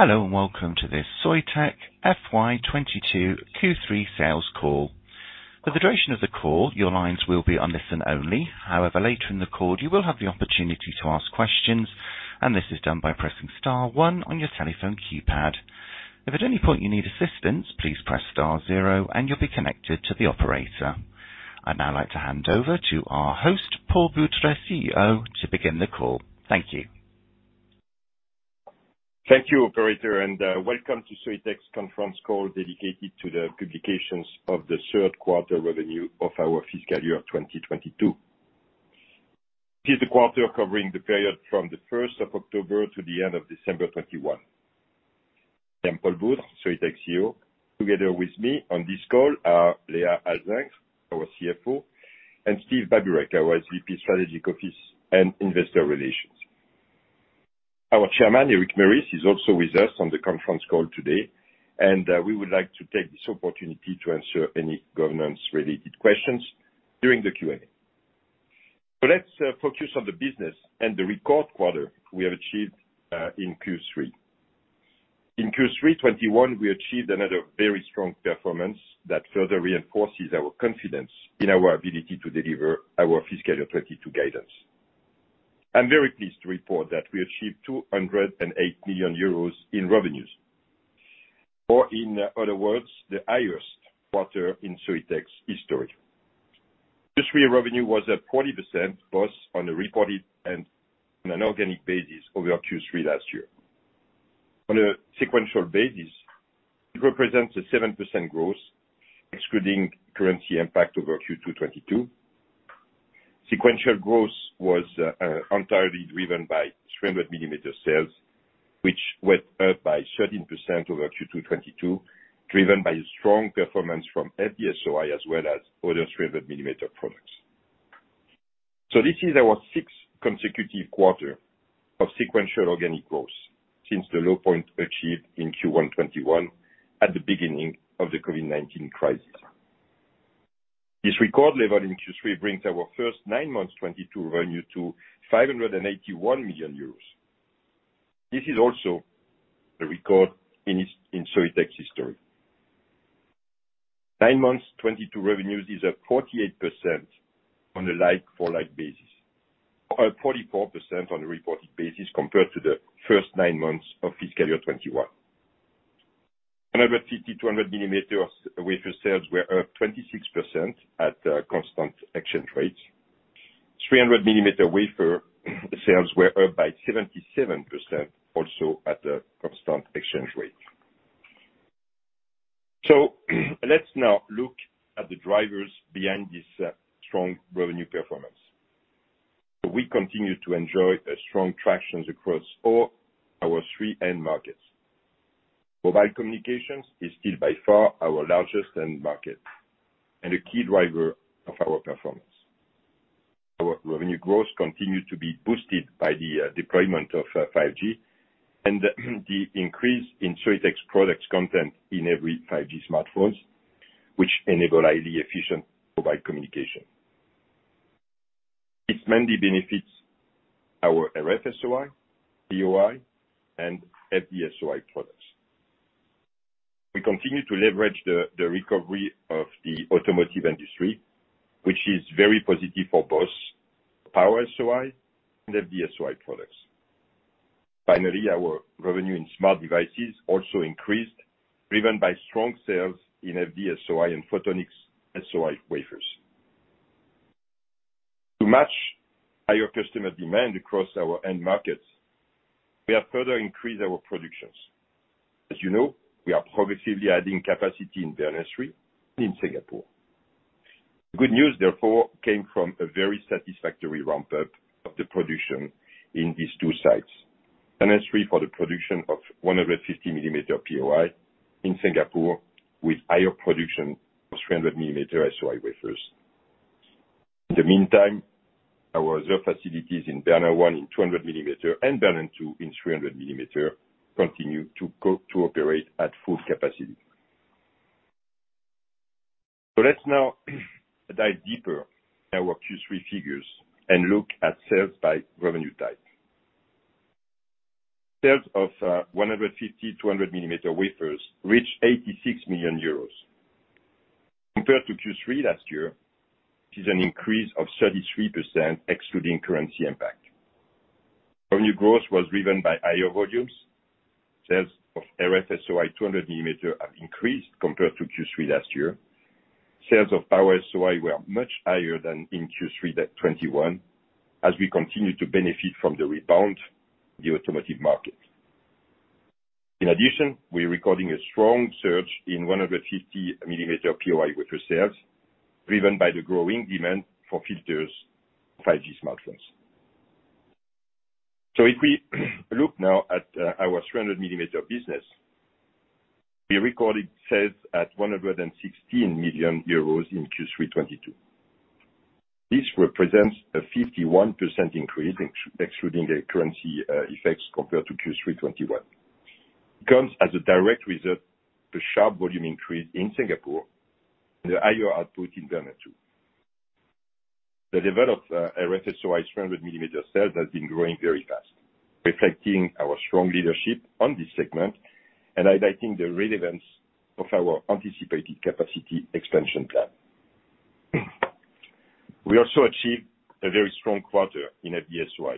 Hello and welcome to this Soitec FY 2022 Q3 sales call. For the duration of the call, your lines will be on listen only. However, later in the call, you will have the opportunity to ask questions, and this is done by pressing star one on your telephone keypad. If at any point you need assistance, please press star zero and you'll be connected to the operator. I'd now like to hand over to our host, Paul Boudre, CEO, to begin the call. Thank you. Thank you, operator, and welcome to Soitec's conference call dedicated to the publications of the third quarter revenue of our fiscal year 2022. This is the quarter covering the period from the 1st of October to the end of December 2021. I'm Paul Boudre, Soitec CEO. Together with me on this call are Léa Alzingre, our CFO, and Steve Babirak, our SVP Strategic Office and Investor Relations. Our chairman, Eric Meurice, is also with us on the conference call today. We would like to take this opportunity to answer any governance-related questions during the Q&A. Let's focus on the business and the record quarter we have achieved in Q3. In Q3 2021, we achieved another very strong performance that further reinforces our confidence in our ability to deliver our fiscal year 2022 guidance. I'm very pleased to report that we achieved 208 million euros in revenues, or in other words, the highest quarter in Soitec's history. This year revenue was at 40% plus on a reported and on an organic basis over Q3 last year. On a sequential basis, it represents a 7% growth excluding currency impact over Q2 2022. Sequential growth was entirely driven by 300 mm sales, which went up by 13% over Q2 2022, driven by strong performance from FD-SOI, as well as other 300 mm products. This is our sixth consecutive quarter of sequential organic growth since the low point achieved in Q1 2021 at the beginning of the COVID-19 crisis. This record level in Q3 brings our first nine months 2022 revenue to 581 million euros. This is also a record in Soitec's history. Nine months 2022 revenues is at 48% on a like-for-like basis, or 44% on a reported basis compared to the first nine months of fiscal year 2021. 150 mm-200 mm wafer sales were up 26% at constant exchange rates. 300 mm wafer sales were up by 77% also at a constant exchange rate. Let's now look at the drivers behind this strong revenue performance. We continue to enjoy strong traction across all our three end markets. Mobile communications is still by far our largest end market and a key driver of our performance. Our revenue growth continued to be boosted by the deployment of 5G and the increase in Soitec's product content in every 5G smartphone, which enable highly efficient mobile communication. This mainly benefits our RF-SOI, POI and FD-SOI products. We continue to leverage the recovery of the Automotive industry, which is very positive for both Power-SOI and FD-SOI products. Finally, our revenue in Smart Devices also increased, driven by strong sales in FD-SOI and Photonics-SOI wafers. To match higher customer demand across our end markets, we have further increased our production. As you know, we are progressively adding capacity in Bernin III in Singapore. The good news, therefore, came from a very satisfactory ramp-up of the production in these two sites: Bernin III for the production of 150 mm POI, in Singapore with higher production of 300 mm SOI wafers. In the meantime, our other facilities in Bernin I in 200 mm and Bernin II in 300 mm continue to operate at full capacity. Let's now dive deeper in our Q3 figures and look at sales by revenue type. Sales of 150/200 mm wafers reached 86 million euros. Compared to Q3 last year, this is an increase of 33% excluding currency impact. Revenue growth was driven by higher volumes. Sales of RF-SOI 200 mm have increased compared to Q3 last year. Sales of Power-SOI were much higher than in Q3 2021, as we continue to benefit from the rebound in the automotive market. In addition, we're recording a strong surge in 150 mm POI wafer sales, driven by the growing demand for 5G filters in smartphones. If we look now at our 300 mm business, we recorded sales of 116 million euros in Q3 2022. This represents a 51% increase excluding a currency effects compared to Q3 2021. Comes as a direct result of sharp volume increase in Singapore and a higher output in Bernin II. The developed RF-SOI 300 mm sales has been growing very fast, reflecting our strong leadership on this segment and highlighting the relevance of our anticipated capacity expansion plan. We also achieved a very strong quarter in FD-SOI,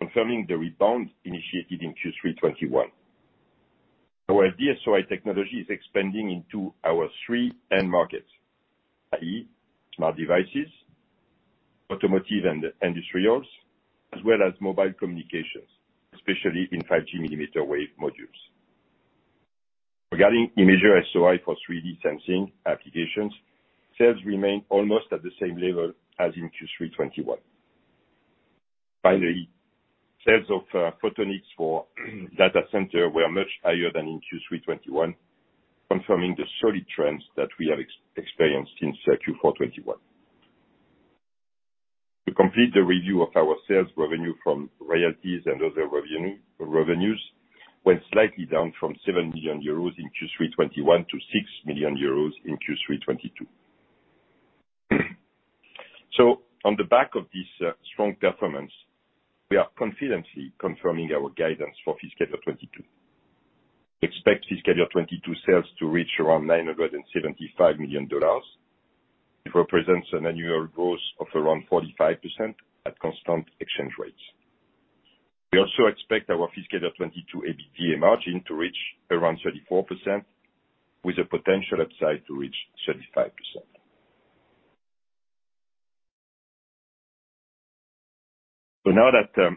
confirming the rebound initiated in Q3 2021. Our FD-SOI technology is expanding into our three end markets, i.e. Smart Devices, Automotive and Industrials, as well as Mobile Communications, especially in 5G mm wave modules. Regarding Imager-SOI for 3D sensing applications, sales remain almost at the same level as in Q3 2021. Finally, sales of Photonics for data center were much higher than in Q3 2021, confirming the solid trends that we have experienced since Q4 2021. To complete the review of our sales revenue from royalties and other revenue, revenues went slightly down from 7 million euros in Q3 2021 to 6 million euros in Q3 2022. On the back of this strong performance, we are confidently confirming our guidance for fiscal year 2022. Expect fiscal year 2022 sales to reach around $975 million. It represents an annual growth of around 45% at constant exchange rates. We also expect our fiscal year 2022 EBITDA margin to reach around 34%, with a potential upside to reach 35%. Now that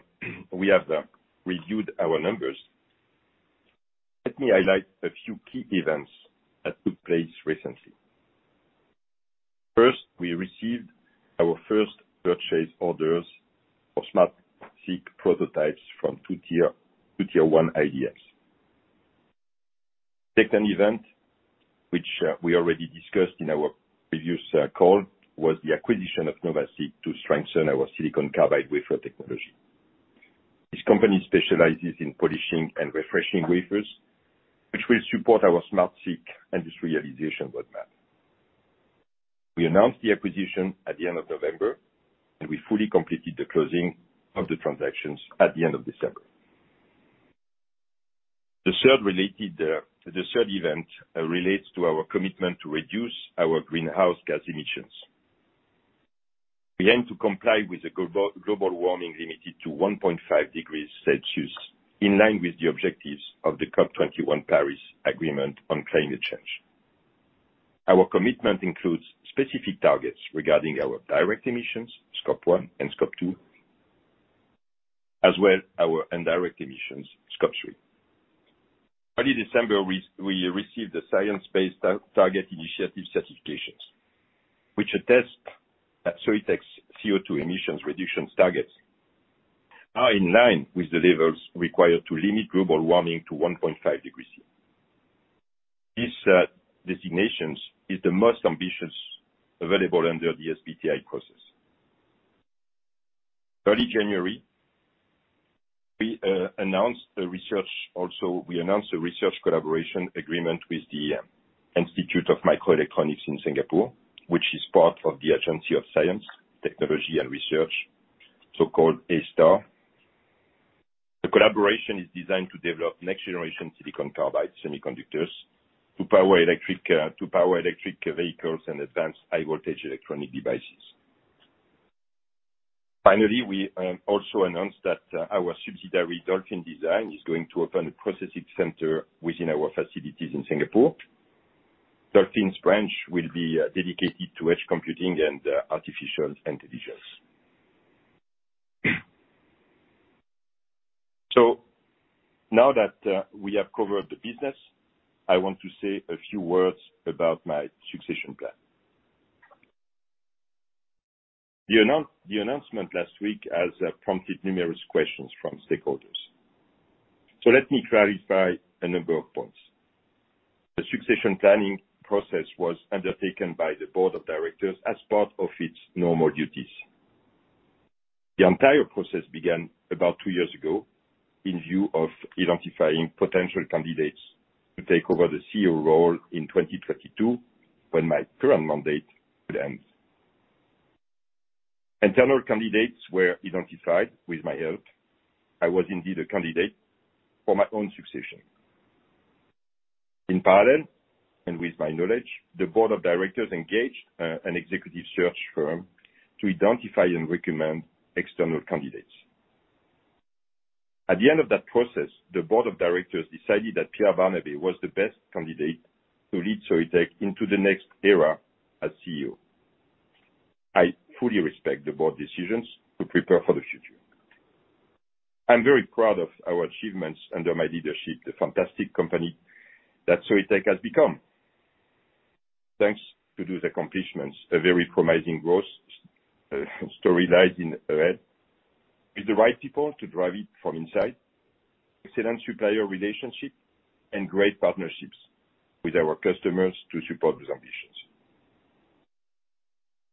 we have reviewed our numbers, let me highlight a few key events that took place recently. First, we received our first purchase orders for SmartSiC prototypes from two tier 1 IDMs. Second event, which we already discussed in our previous call, was the acquisition of NOVASiC to strengthen our silicon carbide wafer technology. This company specializes in polishing and refreshing wafers, which will support our SmartSiC industry realization roadmap. We announced the acquisition at the end of November, and we fully completed the closing of the transactions at the end of December. The third event relates to our commitment to reduce our greenhouse gas emissions. We aim to comply with the global warming limited to 1.5 degrees Celsius, in line with the objectives of the COP 21 Paris Agreement on climate change. Our commitment includes specific targets regarding our direct emissions, scope 1 and scope 2, as well as our indirect emissions, scope 3. Early December, we received a Science Based Targets initiative certification, which attests that Soitec's CO2 emissions reduction targets are in line with the levels required to limit global warming to 1.5 degrees celcius. This designation is the most ambitious available under the SBTi process. Early January, we announced a research collaboration agreement with the Institute of Microelectronics in Singapore, which is part of Agency for Science, Technology and Research, so called A*STAR. The collaboration is designed to develop next-generation silicon carbide semiconductors to power electric vehicles and advanced high-voltage electronic devices. Finally, we also announced that our subsidiary, Dolphin Design, is going to open a processing center within our facilities in Singapore. Dolphin's branch will be dedicated to edge computing and artificial intelligence. Now that we have covered the business, I want to say a few words about my succession plan. The announcement last week has prompted numerous questions from stakeholders. Let me clarify a number of points. The succession planning process was undertaken by the board of directors as part of its normal duties. The entire process began about two years ago in view of identifying potential candidates to take over the CEO role in 2022, when my current mandate would end. Internal candidates were identified with my help. I was indeed a candidate for my own succession. In parallel, and with my knowledge, the board of directors engaged an executive search firm to identify and recommend external candidates. At the end of that process, the board of directors decided that Pierre Barnabé was the best candidate to lead Soitec into the next era as CEO. I fully respect the board decisions to prepare for the future. I'm very proud of our achievements under my leadership, the fantastic company that Soitec has become. Thanks to these accomplishments, a very promising growth story lies ahead, with the right people to drive it from inside, excellent supplier relationship, and great partnerships with our customers to support these ambitions.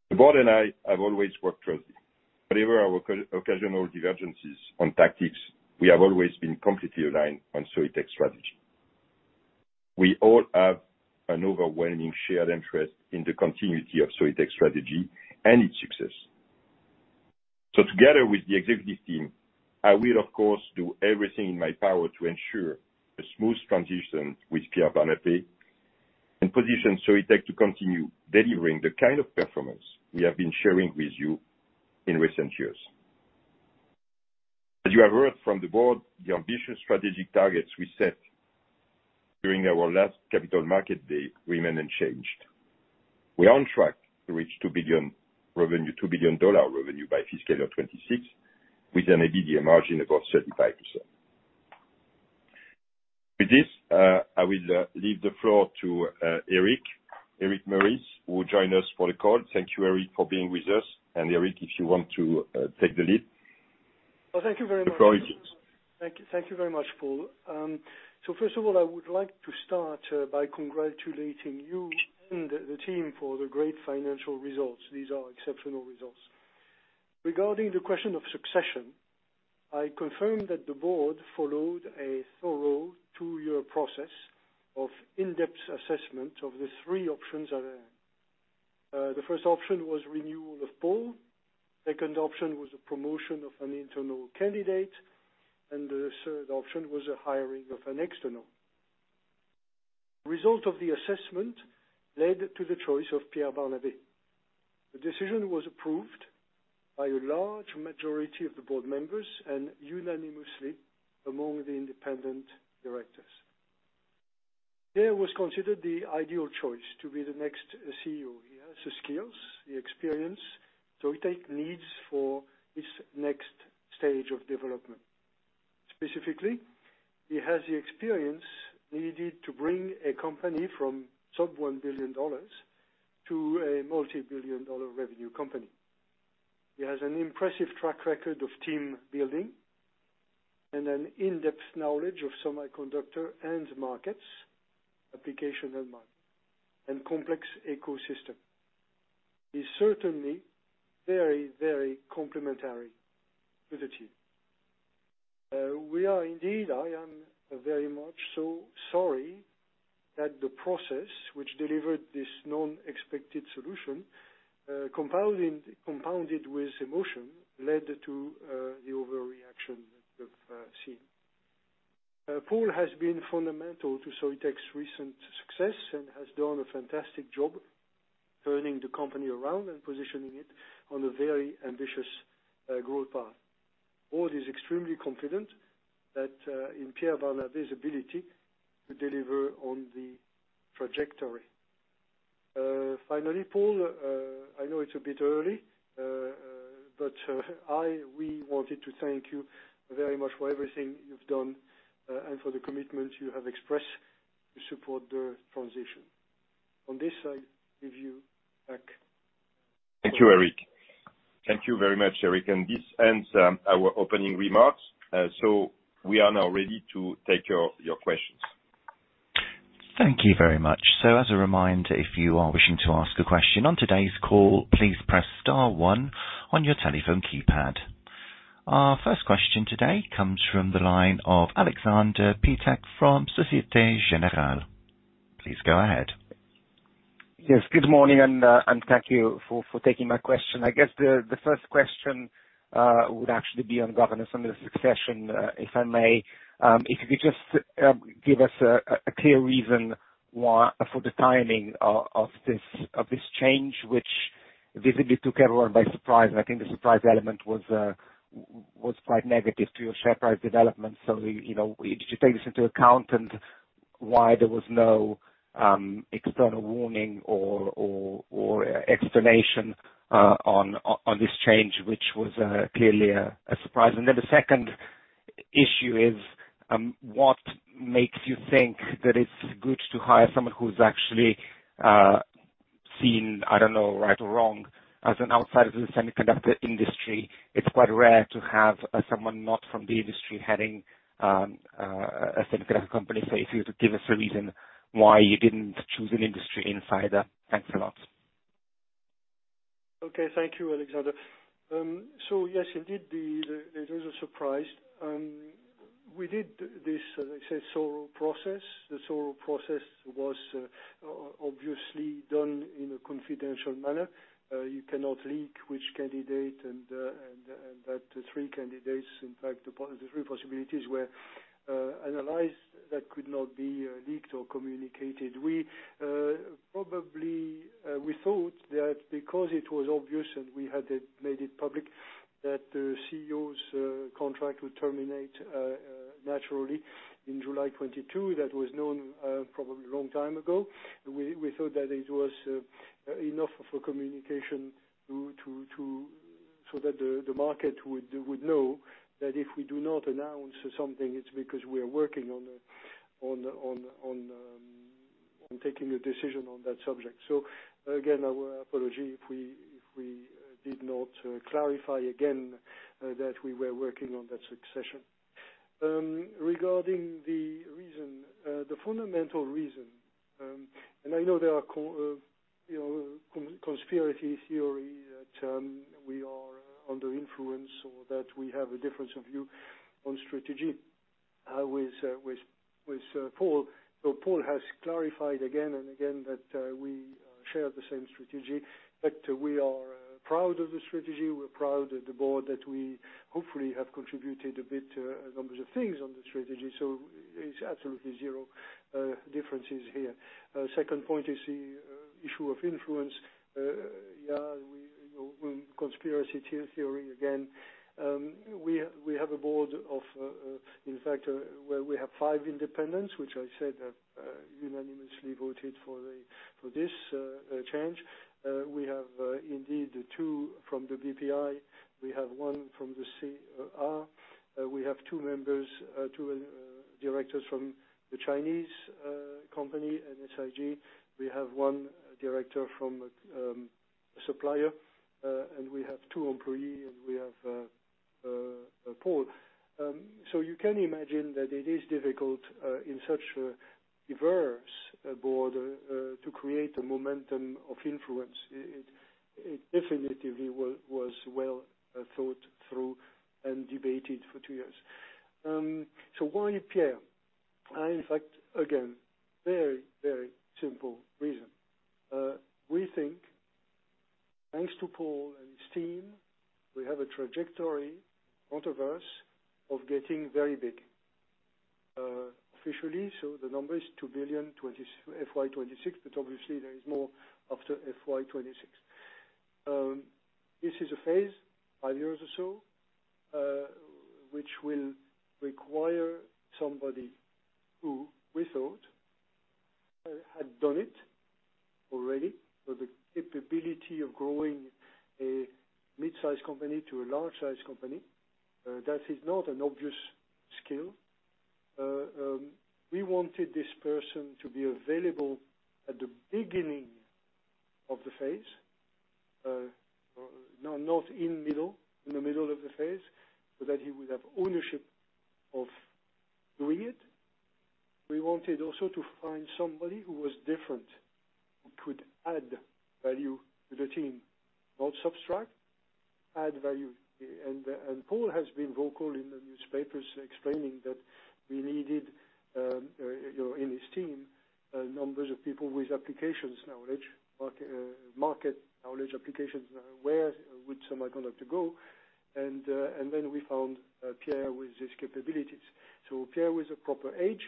The board and I have always worked closely. Whatever our occasional divergences on tactics, we have always been completely aligned on Soitec strategy. We all have an overwhelming shared interest in the continuity of Soitec's strategy and its success. Together with the executive team, I will, of course, do everything in my power to ensure a smooth transition with Pierre Barnabé and position Soitec to continue delivering the kind of performance we have been sharing with you in recent years. As you have heard from the board, the ambitious strategic targets we set during our last Capital Markets Day remain unchanged. We are on track to reach $2 billion revenue by fiscal year 2026, with an EBITDA margin above 35%. With this, I will leave the floor to Eric Meurice, who will join us for the call. Thank you, Eric, for being with us, and Eric, if you want to take the lead. Oh, thank you very much. The floor is yours. Thank you. Thank you very much, Paul. First of all, I would like to start by congratulating you and the team for the great financial results. These are exceptional results. Regarding the question of succession, I confirm that the board followed a thorough two-year process of in-depth assessment of the three options available. The first option was renewal of Paul. Second option was the promotion of an internal candidate, and the third option was a hiring of an external. Result of the assessment led to the choice of Pierre Barnabé. The decision was approved by a large majority of the board members and unanimously among the independent directors. Pierre was considered the ideal choice to be the next CEO. He has the skills, the experience Soitec needs for this next stage of development. Specifically, he has the experience needed to bring a company from sub $1 billion to a multi-billion dollar revenue company. He has an impressive track record of team building and an in-depth knowledge of semiconductor end markets, application end market, and complex ecosystem. He's certainly very, very complementary to the team. We are indeed, I am very much so sorry that the process which delivered this non-expected solution, compounded with emotion led to the overreaction that we've seen. Paul has been fundamental to Soitec's recent success and has done a fantastic job turning the company around and positioning it on a very ambitious growth path. Board is extremely confident that in Pierre Barnabé's ability to deliver on the trajectory. Finally, Paul, I know it's a bit early, but we wanted to thank you very much for everything you've done, and for the commitment you have expressed to support the transition. On this, I give you back. Thank you, Eric. Thank you very much, Eric, and this ends our opening remarks. We are now ready to take your questions. Thank you very much. As a reminder, if you are wishing to ask a question on today's call, please press star one on your telephone keypad. Our first question today comes from the line of Aleksander Peterc from Societe Generale. Please go ahead. Yes, good morning and thank you for taking my question. I guess the first question would actually be on governance and the succession, if I may. If you could just give us a clear reason why for the timing of this change, which visibly took everyone by surprise, and I think the surprise element was quite negative to your share price development. You know, did you take this into account and why there was no external warning or explanation on this change, which was clearly a surprise. The second issue is, what makes you think that it's good to hire someone who's actually seen, I don't know, right or wrong, as an outsider to the semiconductor industry? It's quite rare to have someone not from the industry heading a semiconductor company. If you could give us a reason why you didn't choose an industry insider? Thanks a lot. Okay. Thank you, Aleksander. Yes, indeed, it was a surprise. We did this, as I said, thorough process. The thorough process was obviously done in a confidential manner. You cannot leak which candidate and that three candidates, in fact, the three possibilities were analyzed that could not be leaked or communicated. We probably thought that because it was obvious and we had made it public, that the CEO's contract would terminate naturally in July 2022. That was known probably a long time ago. We thought that it was enough of a communication so that the market would know that if we do not announce something, it's because we are working on taking a decision on that subject. Again, our apology if we did not clarify again that we were working on that succession. Regarding the reason, the fundamental reason, and I know there are, you know, conspiracy theory that we are under influence or that we have a difference of view on strategy with Paul. Paul has clarified again and again that we share the same strategy, but we are proud of the strategy. We're proud of the board, that we hopefully have contributed a bit to a number of things on the strategy. It's absolutely zero differences here. Second point is the issue of influence. We, you know, conspiracy theory again. We have a board of, in fact, where we have five independents, which I said have unanimously voted for this change. We have indeed two from the Bpi. We have one from the CEA. We have two members, two directors from the Chinese company, NSIG. We have one director from supplier, and we have two employees, and we have Paul. So you can imagine that it is difficult in such a diverse board to create a momentum of influence. It definitively was well thought through and debated for two years. So why Pierre? In fact, again, very simple reason. We think thanks to Paul and his team, we have a trajectory in front of us of getting very big officially. The number is $2 billion FY 2026, but obviously there is more after FY 2026. This is a phase, five years or so, which will require somebody who we thought had done it already. The capability of growing a mid-sized company to a large-sized company, that is not an obvious skill. We wanted this person to be available at the beginning of the phase, not in the middle of the phase, so that he would have ownership of doing it. We wanted also to find somebody who was different, who could add value to the team, not subtract, add value. Paul has been vocal in the newspapers explaining that we needed, you know, in his team, numbers of people with applications knowledge, market knowledge applications where, which semiconductor have to go. and then we found Pierre with these capabilities. Pierre is of proper age,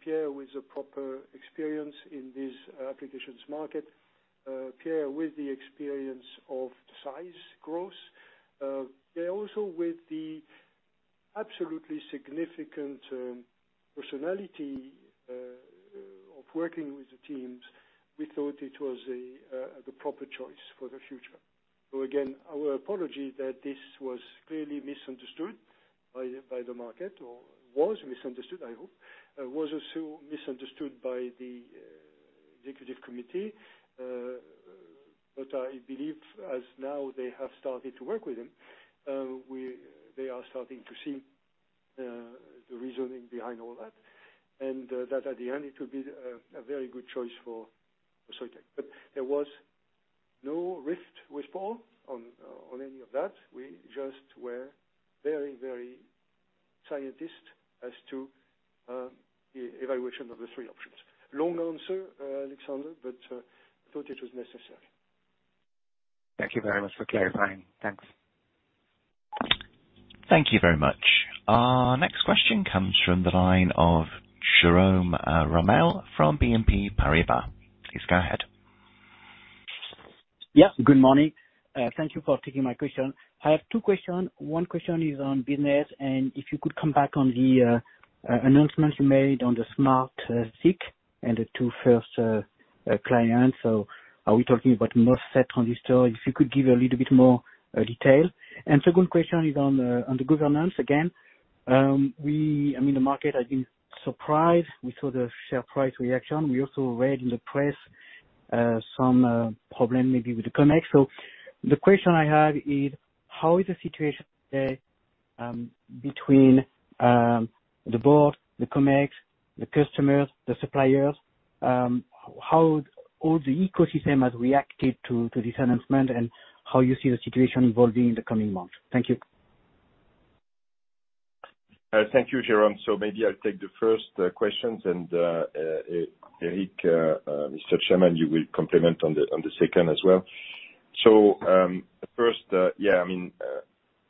Pierre is with proper experience in this applications market, Pierre with the experience of size growth. Pierre also with the absolutely significant personality of working with the teams. We thought it was the proper choice for the future. again, our apology that this was clearly misunderstood by the market or was misunderstood, I hope. was also misunderstood by the Executive Committee. I believe as now they have started to work with him, they are starting to see the reasoning behind all that, and that at the end it will be a very good choice for Soitec. There was no rift with Paul on any of that. We just were very scientific as to evaluation of the three options. Long answer, Aleksander, but thought it was necessary. Thank you very much for clarifying. Thanks. Thank you very much. Our next question comes from the line of Jerome Ramel from BNP Paribas. Please go ahead. Yeah, good morning. Thank you for taking my question. I have two question. One question is on business, and if you could come back on the announcements you made on the SmartSiC and the two first clients. So are we talking about MOSFET transistor? If you could give a little bit more detail. Second question is on the governance again. The market has been surprised. We saw the share price reaction. We also read in the press some problem maybe with the Comex. So the question I have is how is the situation today between the board, the Comex, the customers, the suppliers? How the ecosystem has reacted to this announcement and how you see the situation evolving in the coming months? Thank you. Thank you, Jerome. Maybe I'll take the first questions and Eric, Mr. Chairman, you will comment on the second as well. First, yeah, I mean,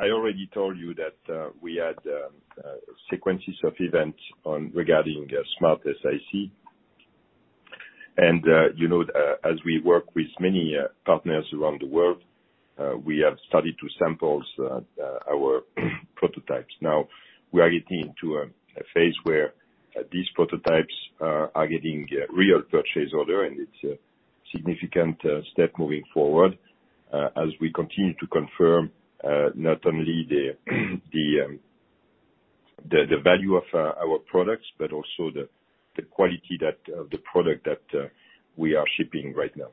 I already told you that we had sequences of events regarding SmartSiC. You know, as we work with many partners around the world, we have studied two samples, our prototypes. Now, we are getting into a phase where these prototypes are getting real purchase order and it's a significant step moving forward, as we continue to confirm not only the value of our products, but also the quality of the product that we are shipping right now.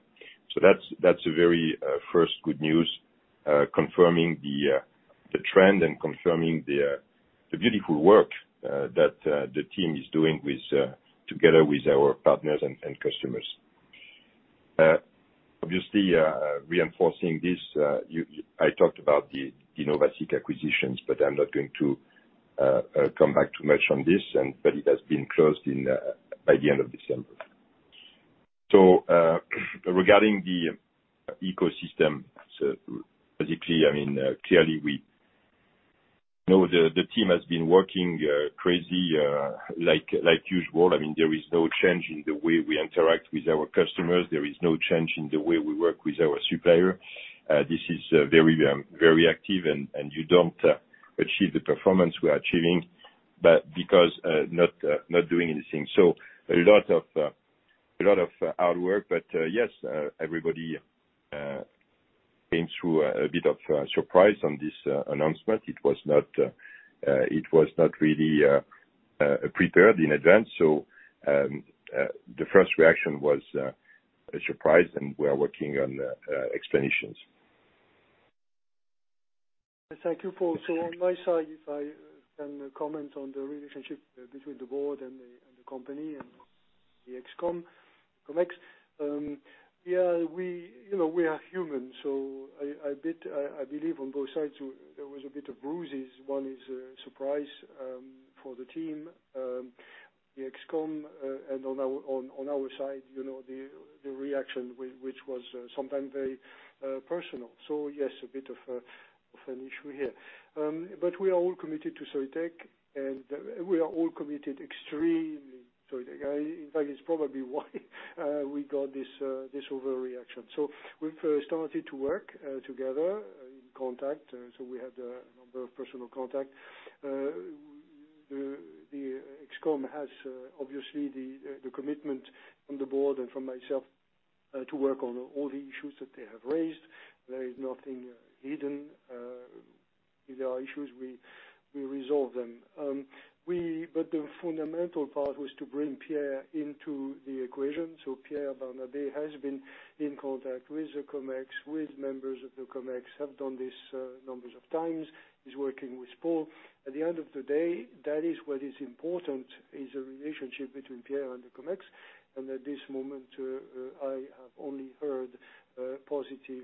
That's a very first good news. Confirming the trend and the beautiful work that the team is doing together with our partners and customers. Obviously, reinforcing this. I talked about the NOVASiC acquisitions, but I'm not going to come back too much on this, but it has been closed in by the end of December. Regarding the ecosystem, basically, I mean, clearly, we know the team has been working crazy like usual. I mean, there is no change in the way we interact with our customers. There is no change in the way we work with our supplier. This is very active and you don't achieve the performance we are achieving but because not doing anything. A lot of hard work. Yes, everybody came through a bit of surprise on this announcement. It was not really prepared in advance. The first reaction was a surprise, and we are working on explanations. Thank you, Paul. On my side, if I can comment on the relationship between the board and the company and the ExCom, Comex. Yeah, you know, we are human. I bet, I believe on both sides, there was a bit of bruising. One is surprise for the team, the ExCom, and on our side, you know, the reaction which was sometimes very personal. Yes, a bit of an issue here. But we are all committed to Soitec, and we are all committed extremely. In fact, it's probably why we got this overreaction. We've started to work together in contact. We had a number of personal contacts. ExCom has obviously the commitment from the board and from myself to work on all the issues that they have raised. There is nothing hidden. If there are issues, we resolve them. The fundamental part was to bring Pierre into the equation. Pierre Barnabé has been in contact with the Comex, with members of the Comex, have done this number of times. He's working with Paul. At the end of the day, that is what is important is the relationship between Pierre and the Comex. At this moment, I have only heard positive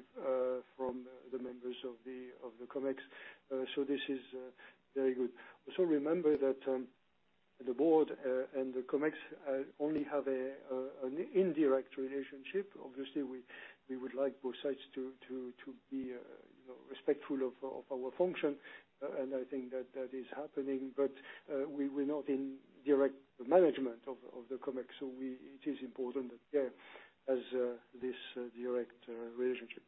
from the members of the Comex. This is very good. Remember that the board and the Comex only have an indirect relationship. Obviously, we would like both sides to be, you know, respectful of our function, and I think that is happening. We're not in direct management of the COMEX, so it is important that there is this direct relationship.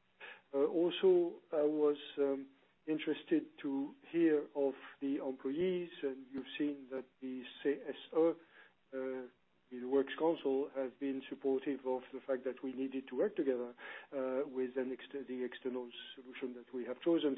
Also, I was interested to hear of the employees, and you've seen that the CSE, the works council, has been supportive of the fact that we needed to work together with the external solution that we have chosen.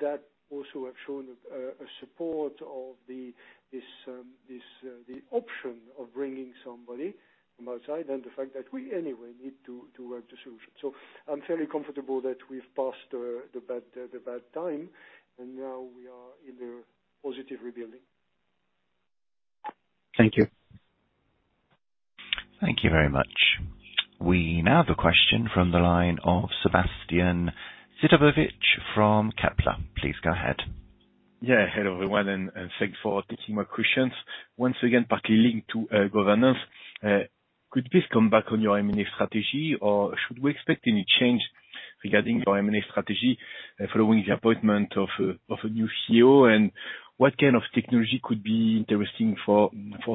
That also have shown a support of this, the option of bringing somebody from outside and the fact that we anyway need to work the solution. I'm fairly comfortable that we've passed the bad time, and now we are in a positive rebuilding. Thank you. Thank you very much. We now have a question from the line of Sébastien Sztabowicz from Kepler. Please go ahead. Hello, everyone, and thanks for taking my questions. Once again, partly linked to governance. Could you please come back on your M&A strategy? Or should we expect any change regarding your M&A strategy following the appointment of a new CEO? What kind of technology could be interesting for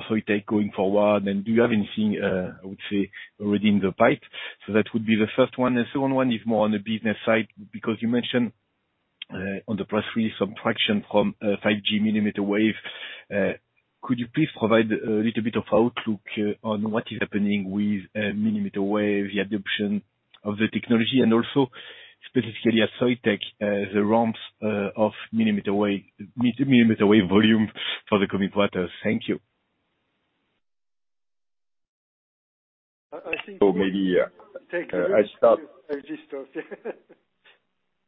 Soitec going forward? Do you have anything, I would say, already in the pipe? That would be the first one. The second one is more on the business side, because you mentioned on the press release traction from 5G mm wave. Could you please provide a little bit of outlook on what is happening with millimeter wave, the adoption of the technology and also specifically at Soitec, the ramps of millimeter wave volume for the coming quarters? Thank you. I think. Maybe. Take. I'll start. I'll just start.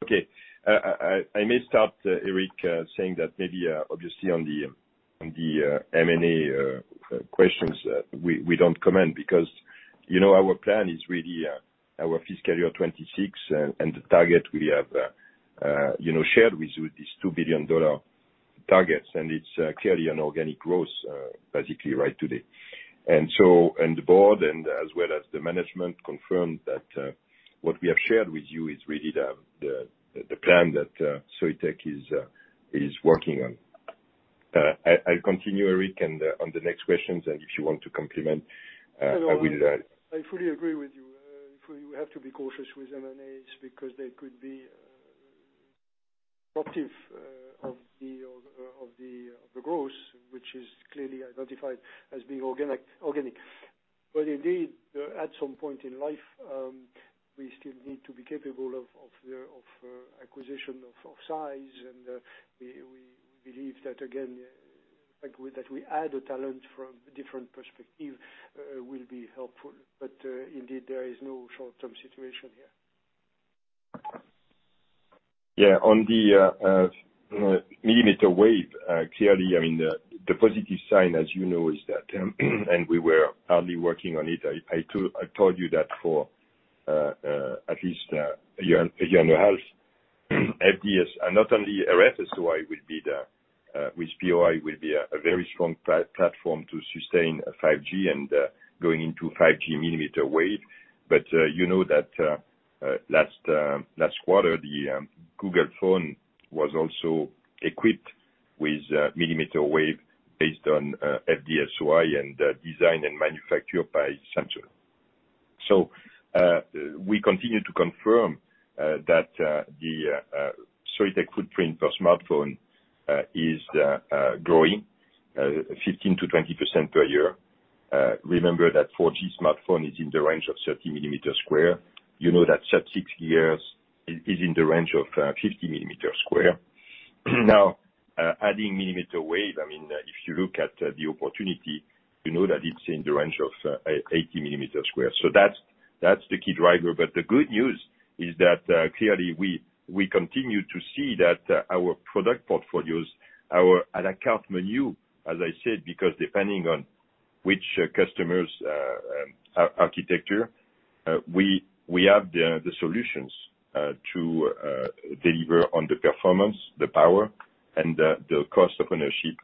Okay. I may start, Eric, saying that maybe obviously on the M&A questions we don't comment because, you know, our plan is really our fiscal year 2026. The target we have you know shared with you is $2 billion targets, and it's clearly an organic growth basically right today. The board and as well as the management confirmed that what we have shared with you is really the plan that Soitec is working on. I'll continue, Eric, on the next questions, and if you want to comment, I will. I fully agree with you. If we have to be cautious with M&As because they could be additive to the growth, which is clearly identified as being organic. Indeed, at some point in life, we still need to be capable of acquisitions of size. We believe that again, like with that we add the talent from different perspective will be helpful. Indeed, there is no short-term situation here. On the millimeter wave, clearly, I mean, the positive sign, as you know, is that we were hard at work on it. I told you that for at least a year and a half. FD-SOI and not only RF-SOI with POI will be a very strong platform to sustain 5G and going into 5G mm wave. You know that last quarter, the Google phone was also equipped with millimeter wave based on FD-SOI and designed and manufactured by Samsung. We continue to confirm that the Soitec footprint per smartphone is growing 15%-20% per year. Remember that 4G smartphone is in the range of 30 sq mm. You know that sub-6 GHz is in the range of 50 sq mm. Now, adding millimeter wave, I mean, if you look at the opportunity, you know that it's in the range of 80 sq mm. That's the key driver. But the good news is that clearly we continue to see that our product portfolios, our a la carte menu, as I said, because depending on which customer architecture, we have the solutions to deliver on the performance, the power and the cost of ownership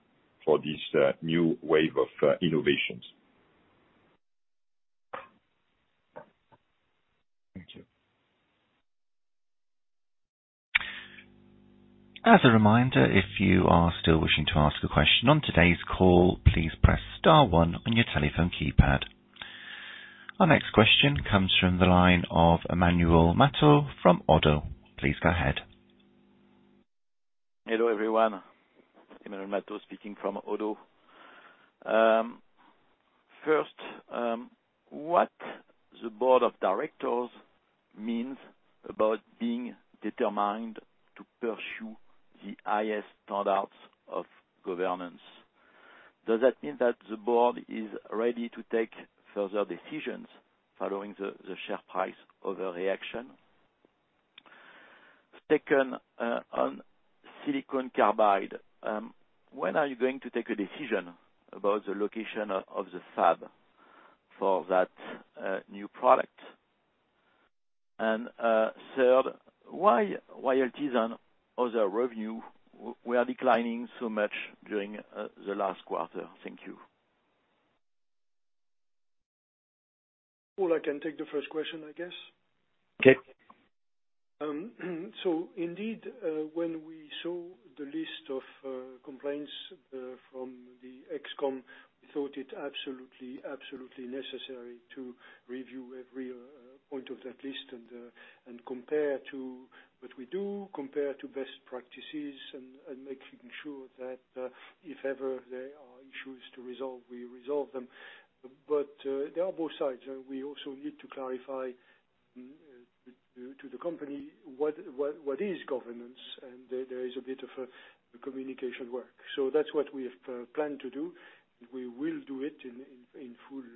for this new wave of innovations. Thank you. As a reminder, if you are still wishing to ask a question on today's call, please press star one on your telephone keypad. Our next question comes from the line of Emmanuel Matot from Oddo. Please go ahead. Hello, everyone. Emmanuel Matot speaking from Oddo. First, what the board of directors means about being determined to pursue the highest standards of governance? Does that mean that the board is ready to take further decisions following the share price overreaction? Second, on silicon carbide, when are you going to take a decision about the location of the fab for that new product? Third, why licensing and other revenue were declining so much during the last quarter? Thank you. Paul, I can take the first question, I guess. Okay. Indeed, when we saw the list of complaints from the ExCom, we thought it absolutely necessary to review every point of that list and compare to what we do, compare to best practices and making sure that if ever there are issues to resolve, we resolve them. There are both sides, and we also need to clarify to the company what is governance. There is a bit of a communication work. That's what we have planned to do. We will do it in full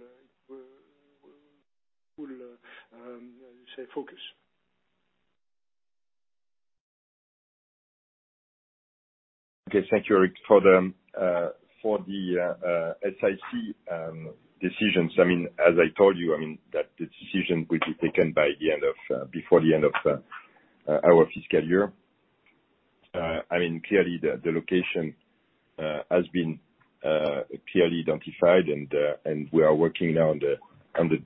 focus. Okay. Thank you, Eric, for the SiC decisions. I mean, as I told you, I mean, that the decision will be taken before the end of our fiscal year. I mean, clearly the location has been clearly identified and we are working now on the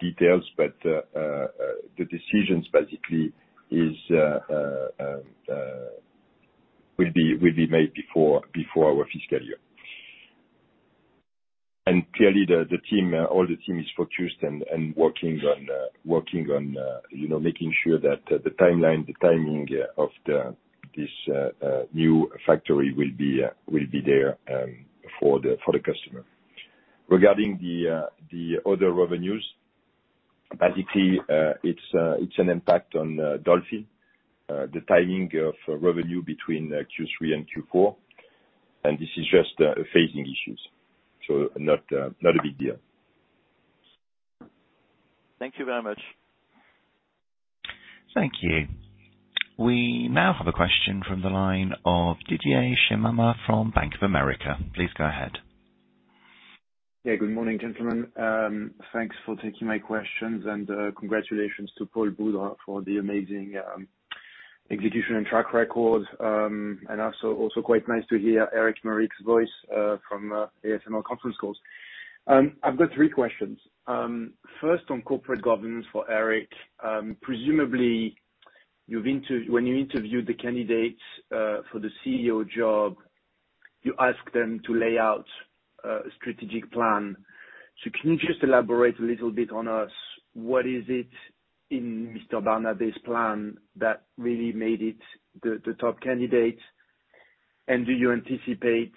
details. The decisions basically will be made before our fiscal year. Clearly the team, all the team is focused and working on, you know, making sure that the timeline, the timing of this new factory will be there for the customer. Regarding the other revenues, basically, it's an impact on Dolphin, the timing of revenue between Q3 and Q4. This is just phasing issues, so not a big deal. Thank you very much. Thank you. We now have a question from the line of Didier Scemama from Bank of America. Please go ahead. Yeah. Good morning, gentlemen. Thanks for taking my questions and congratulations to Paul Boudre for the amazing execution and track record. Also quite nice to hear Eric Meurice's voice from ASML conference calls. I've got three questions. First, on corporate governance for Eric, presumably when you interviewed the candidates for the CEO job, you asked them to lay out a strategic plan. Can you just elaborate a little bit on this, what is it in Mr. Barnabé's plan that really made it the top candidate? Do you anticipate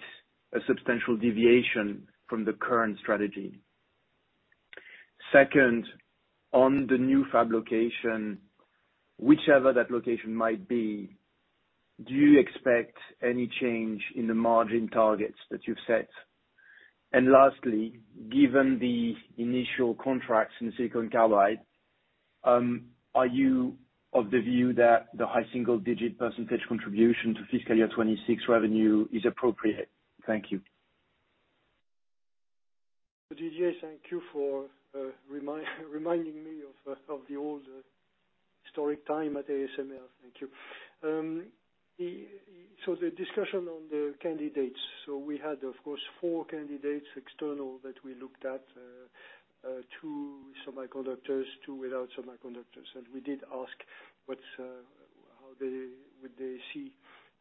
a substantial deviation from the current strategy? Second, on the new fab location, whichever that location might be, do you expect any change in the margin targets that you've set? Lastly, given the initial contracts in silicon carbide, are you of the view that the high single-digit percentage contribution to fiscal year 2026 revenue is appropriate? Thank you. Didier, thank you for reminding me of the old historic time at ASML. Thank you. The discussion on the candidates, we had, of course, four external candidates that we looked at, two semiconductors, two without semiconductors. We did ask how they would see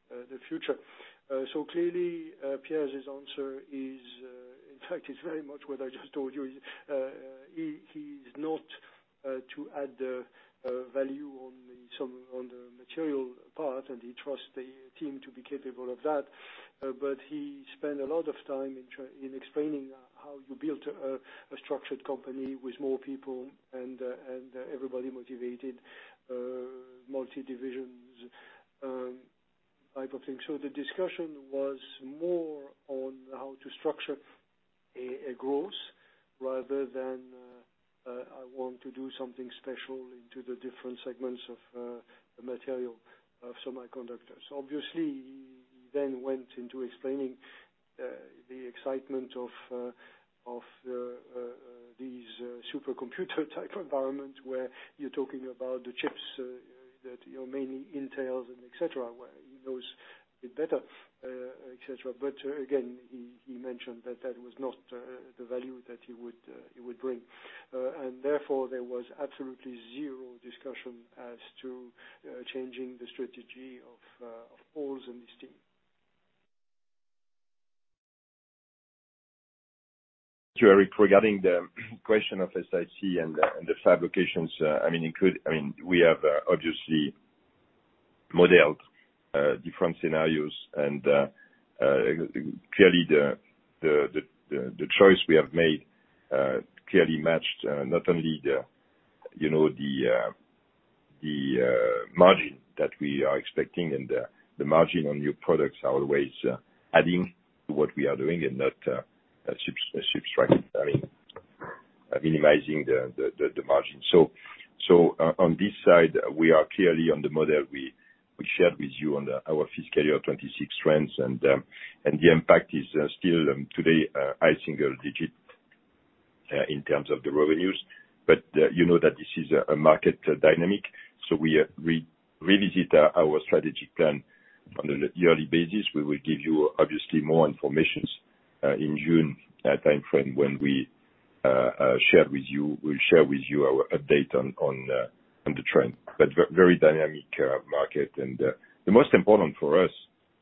the future. Clearly, Pierre's answer is, in fact, very much what I just told you. He is not to add the value on the material part, and he trusts the team to be capable of that. But he spent a lot of time in explaining how you build a structured company with more people and everybody motivated, multi-divisions, type of thing. The discussion was more on how to structure a growth rather than I want to do something special into the different segments of the material of semiconductors. Obviously, he then went into explaining the excitement of these supercomputer-type environment where you're talking about the chips that you know mainly entails and et cetera, where he knows it better, et cetera. But again, he mentioned that that was not the value that he would bring. Therefore, there was absolutely zero discussion as to changing the strategy of Paul's and his team. Thank you, Eric. Regarding the question of SiC and the fabrications, I mean, we have obviously modeled different scenarios and clearly the choice we have made clearly matched not only the, you know, the margin that we are expecting and the margin on new products are always adding to what we are doing and not subtracting. I mean, minimizing the margin. On this side, we are clearly on the model we shared with you on our fiscal year 2026 trends. The impact is still today high single-digit in terms of the revenues. You know that this is a market dynamic, so we revisit our strategy plan on a yearly basis. We will give you obviously more information in June timeframe, when we share with you our update on the trend. Very dynamic market. The most important for us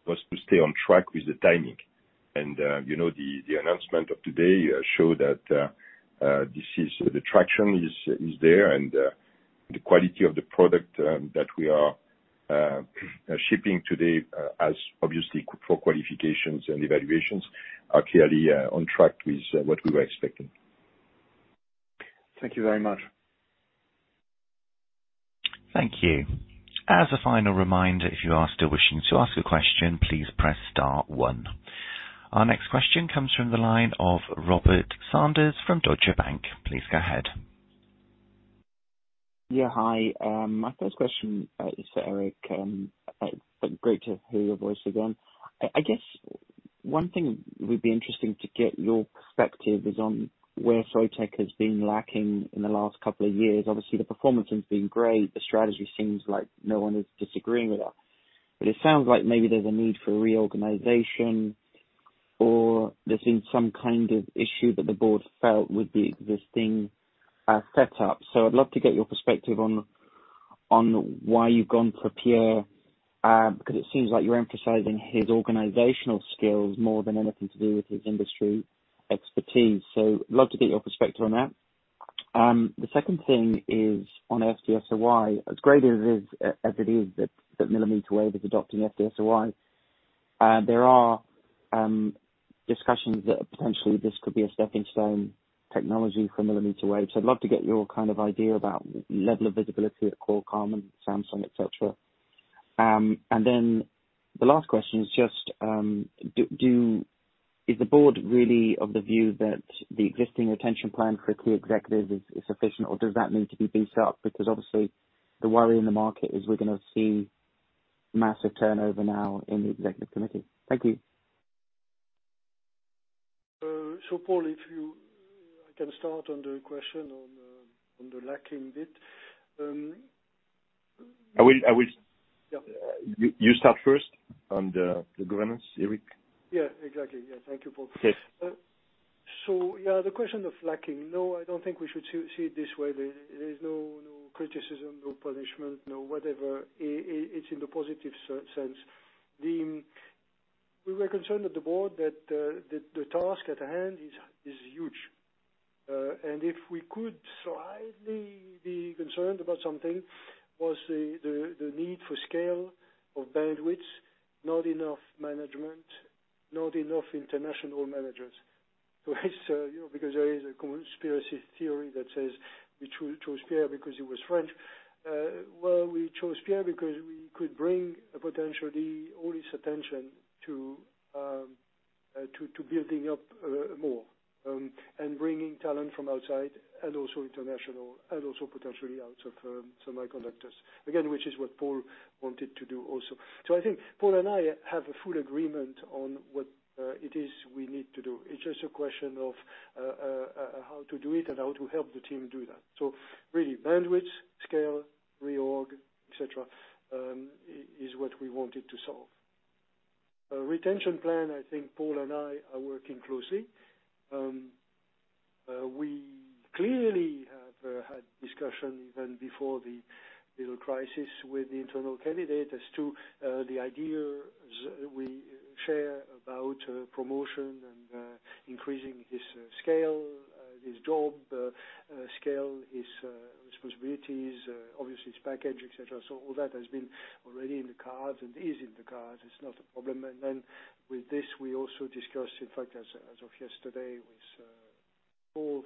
was to stay on track with the timing. You know, the announcement of today show that this traction is there and the quality of the product that we are shipping today, as obviously for qualifications and evaluations are clearly on track with what we were expecting. Thank you very much. Thank you. As a final reminder, if you are still wishing to ask a question, please press star one. Our next question comes from the line of Robert Sanders from Deutsche Bank. Please go ahead. Yeah, hi. My first question is for Eric. Great to hear your voice again. I guess one thing would be interesting to get your perspective is on where Soitec has been lacking in the last couple of years. Obviously, the performance has been great. The strategy seems like no one is disagreeing with that. But it sounds like maybe there's a need for reorganization or there's been some kind of issue that the board felt with the, this thing, set up. I'd love to get your perspective on why you've gone for Pierre, because it seems like you're emphasizing his organizational skills more than anything to do with his industry expertise. Love to get your perspective on that. The second thing is on FD-SOI, as it is that millimeter wave is adopting FD-SOI, there are discussions that potentially this could be a stepping stone technology for millimeter waves. I'd love to get your kind of idea about level of visibility at Qualcomm and Samsung, et cetera. The last question is just, is the board really of the view that the existing retention plan for key executives is sufficient, or does that need to be beefed up? Because obviously the worry in the market is we're gonna see massive turnover now in the Executive Committee. Thank you. Paul, I can start on the question on the lacking bit. I will. Yeah. You start first on the governance, Eric. Yeah, exactly. Yeah. Thank you, Paul. Yes. Yeah, the question of lacking. No, I don't think we should see it this way. There is no criticism, no punishment, no whatever. It's in the positive sense. We were concerned at the board that the task at hand is huge. And if we could slightly be concerned about something, it was the need for scale and bandwidth: not enough management. Not enough international managers. You know, because there is a conspiracy theory that says we chose Pierre because he was French. Well, we chose Pierre because we could bring potentially all his attention to building up more and bringing talent from outside and also international and also potentially outside for semiconductors. Again, which is what Paul wanted to do also. I think Paul and I have a full agreement on what it is we need to do. It's just a question of how to do it and how to help the team do that. Really, bandwidth, scale, reorg, et cetera, is what we wanted to solve. A retention plan, I think Paul and I are working closely. We clearly have had discussion even before the little crisis with the internal candidate as to the ideas we share about promotion and increasing his scale, his job scale, his responsibilities, obviously his package, et cetera. All that has been already in the cards and is in the cards. It's not a problem. Then with this, we also discussed, in fact, as of yesterday with Paul.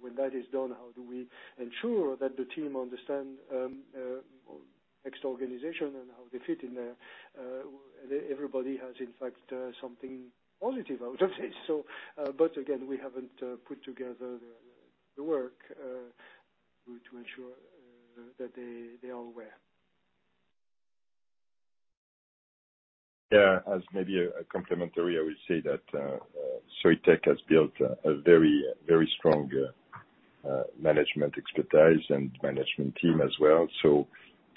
When that is done, how do we ensure that the team understand next organization and how they fit in there? Everybody has in fact something positive I would say. But again, we haven't put together the work to ensure that they are aware. Yeah. As maybe a complementary, I will say that Soitec has built a very strong management expertise and management team as well.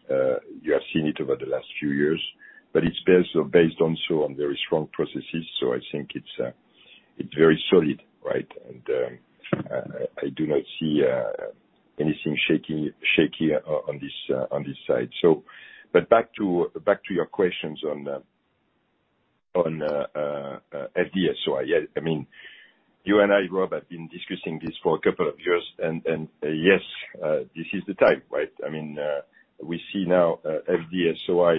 You have seen it over the last few years, but it's based also on very strong processes. I think it's very solid, right? I do not see anything shaky on this side. Back to your questions on FD-SOI. Yeah, I mean, you and I, Rob, have been discussing this for a couple of years and yes, this is the time, right? I mean, we see now FD-SOI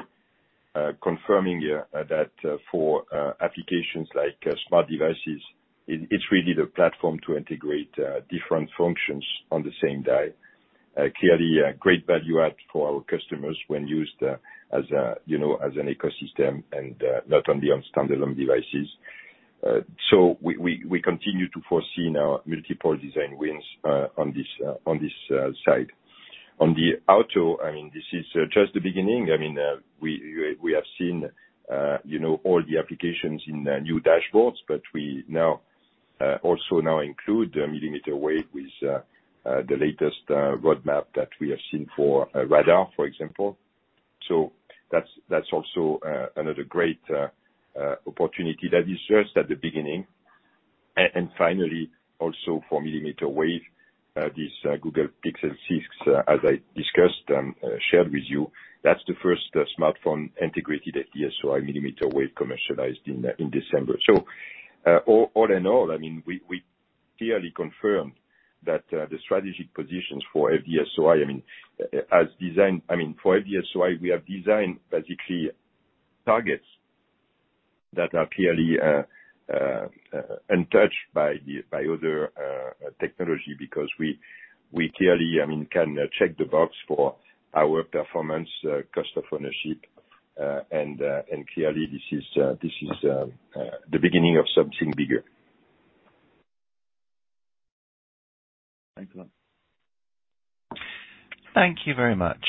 confirming here that for applications like smart devices, it's really the platform to integrate different functions on the same day. Clearly a great value add for our customers when used, you know, as an ecosystem and not only on standalone devices. So we continue to foresee now multiple design wins on this side. On the auto, I mean, this is just the beginning. I mean, we have seen, you know, all the applications in the new dashboards, but we now also include millimeter wave with the latest roadmap that we have seen for radar, for example. That's also another great opportunity that is just at the beginning. Finally, also for millimeter wave, this Google Pixel 6, as I discussed and shared with you, that's the first smartphone integrated FD-SOI millimeter wave commercialized in December. All in all, I mean, we clearly confirmed that the strategic positions for FD-SOI, I mean, as design, I mean, for FD-SOI, we have designed basically targets that are clearly untouched by other technology because we clearly, I mean, can check the box for our performance, cost of ownership, and clearly this is the beginning of something bigger. Thanks a lot. Thank you very much.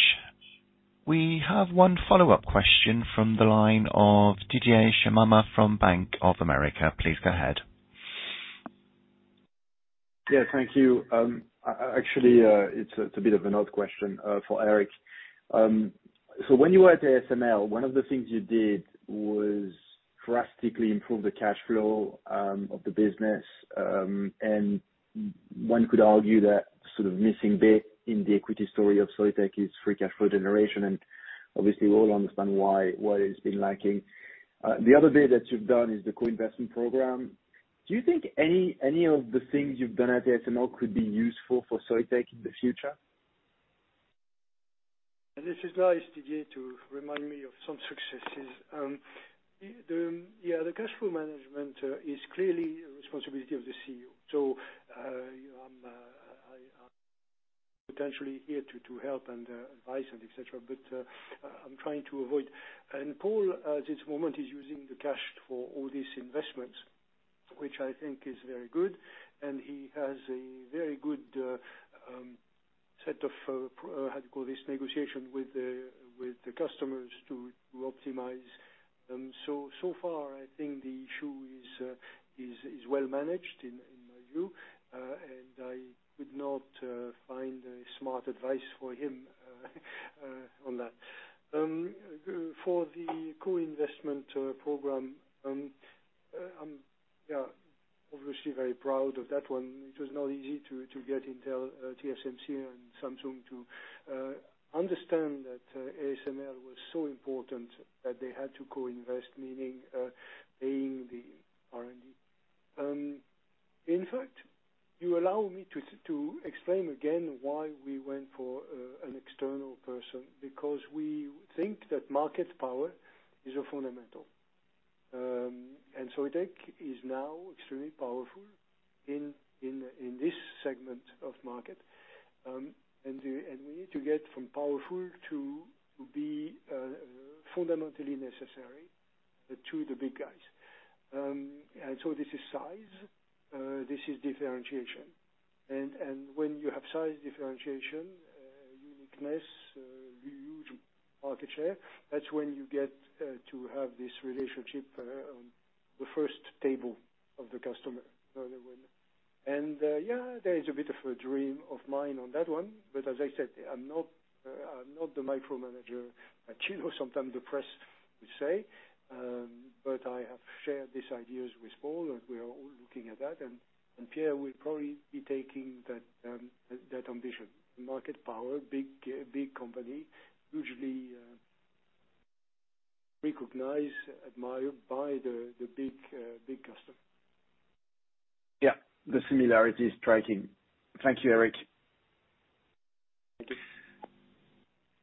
We have one follow-up question from the line of Didier Scemama from Bank of America. Please go ahead. Yeah, thank you. Actually, it's a bit of an odd question for Eric. When you were at ASML, one of the things you did was drastically improve the cash flow of the business. One could argue that sort of missing bit in the equity story of Soitec is free cash flow generation, and obviously we all understand why it's been lacking. The other bit that you've done is the co-investment program. Do you think any of the things you've done at ASML could be useful for Soitec in the future? This is nice, Didier, to remind me of some successes. The cash flow management is clearly a responsibility of the CEO. I'm potentially here to help and advise and et cetera. I'm trying to avoid. Paul, at this moment, is using the cash for all these investments, which I think is very good. He has a very good set of negotiation with the customers to optimize. So far I think the issue is well managed in my view. I could not find a smart advice for him on that. For the co-investment program, I'm obviously very proud of that one. It was not easy to get Intel, TSMC and Samsung to understand that ASML was so important that they had to co-invest, meaning paying the R&D. In fact, you allow me to explain again why we went for an external person, because we think that market power is a fundamental. And Soitec is now extremely powerful in this segment of market. And we need to get from powerful to be fundamentally necessary to the big guys. And so this is size, this is differentiation. And when you have size differentiation, uniqueness, huge market share, that's when you get to have this relationship on the first table of the customer, you know. And yeah, there is a bit of a dream of mine on that one. As I said, I'm not the micromanager that you know sometimes the press will say, but I have shared these ideas with Paul, and we are all looking at that. Pierre will probably be taking that ambition. Market power, big company, usually recognized, admired by the big customer. Yeah. The similarity is striking. Thank you, Eric. Thank you.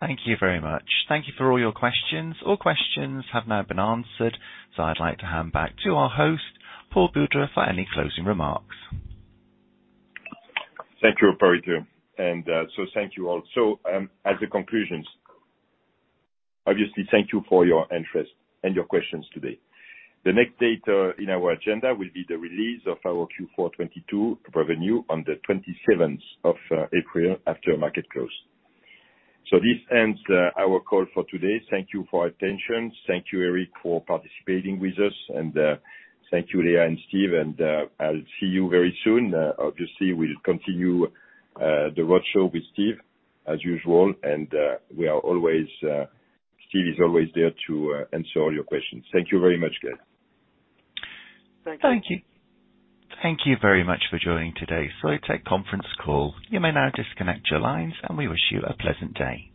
Thank you very much. Thank you for all your questions. All questions have now been answered. I'd like to hand back to our host, Paul Boudre, for any closing remarks. Thank you, operator. Thank you all. As a conclusion, obviously, thank you for your interest and your questions today. The next date in our agenda will be the release of our Q4 2022 revenue on the 27th of April after market close. This ends our call for today. Thank you for your attention. Thank you, Eric, for participating with us. Thank you, Léa and Steve. I'll see you very soon. Obviously, we'll continue the roadshow with Steve as usual. Steve is always there to answer all your questions. Thank you very much, guys. Thank you. Thank you. Thank you very much for joining today's Soitec conference call. You may now disconnect your lines, and we wish you a pleasant day.